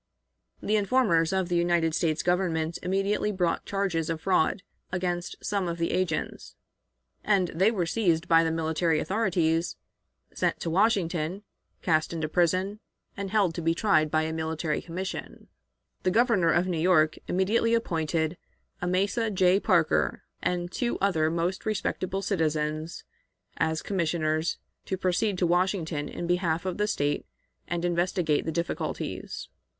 The informers of the United States Government immediately brought charges of fraud against some of these agents, and they were seized by the military authorities, sent to Washington, cast into prison, and held to be tried by a military commission. The Governor of New York immediately appointed Amasa J. Parker and two other most respectable citizens as commissioners, to proceed to Washington in behalf of the State and investigate the difficulties.